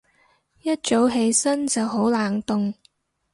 一早起身就好冷凍